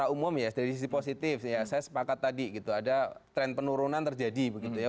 umum ya dari sisi positif ya saya sepakat tadi gitu ada tren penurunan terjadi begitu ya